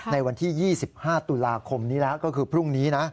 ในวันที่๒๕ตุลาคมนี้แล้วก็คือพรุ่งนี้นะ